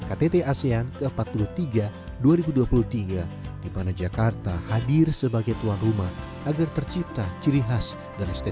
pertanyaan terakhir apakah terjadi keadaan yang berbeda di jakarta